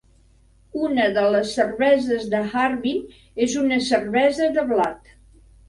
Una de les cerveses de Harbin és una cervesa de blat.